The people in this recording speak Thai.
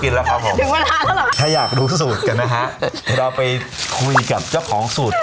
ถึงเวลาแล้วเหรอถ้าอยากดูสูตรกันนะฮะเดี๋ยวเราไปคุยกับเจ้าของสูตร